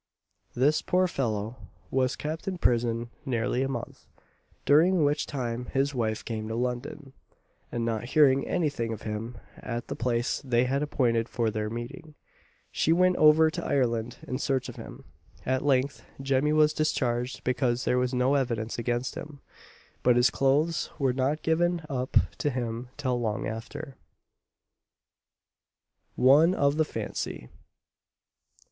This poor fellow was kept in prison nearly a month, during which time his wife came to London, and not hearing anything of him at the place they had appointed for their meeting, she went over to Ireland in search of him. At length Jemmy was discharged because there was no evidence against him; but his clothes were not given up to him till long after. ONE OF THE FANCY.